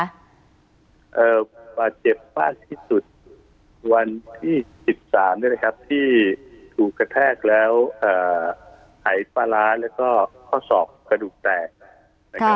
บาดเจ็บมากที่สุดวันที่๑๓เนี่ยนะครับที่ถูกกระแทกแล้วหายปลาร้าแล้วก็ข้อศอกกระดูกแตกนะครับ